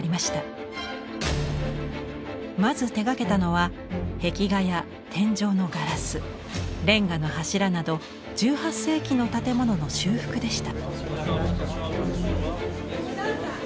まず手がけたのは壁画や天井のガラスレンガの柱など１８世紀の建物の修復でした。